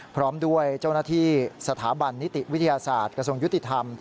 พร้อมด้วยเจ้าหน้าที่สถาบันนิติวิทยาศาสตร์กระทรวงยุติธรรม